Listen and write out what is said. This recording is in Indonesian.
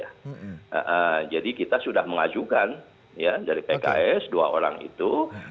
nah jadi kita sudah mengajukan ya dari pks dua orang itu